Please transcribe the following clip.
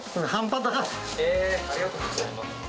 えー、ありがとうございます。